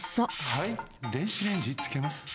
はい電子レンジつけます。